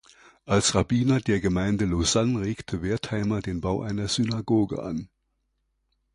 Als Rabbiner der Gemeinde Lausanne regte Wertheimer den Bau einer Synagoge an.